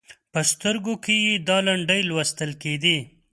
په سترګو کې یې دا لنډۍ لوستل کېدې: